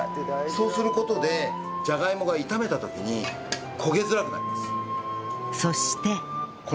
そうする事でじゃがいもが炒めた時に焦げづらくなります。